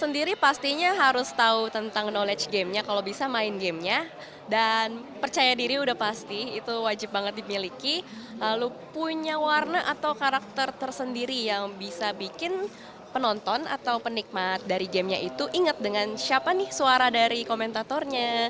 dengan siapa nih suara dari komentatornya